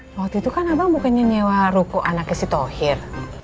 waktu itu kan abang bukannya nyewa ruko anaknya si tohir